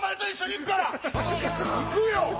行くよ！